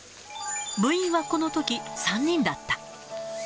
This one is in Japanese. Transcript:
部員はこのとき、３人だった。